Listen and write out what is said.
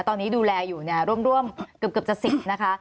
ตอนนี้ดูแลอยู่เนี่ยร่วมเกือบจะ๑๐นะคะ